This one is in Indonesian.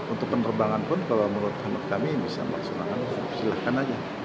untuk penerbangan pun kalau menurut kami bisa melaksanakan silahkan aja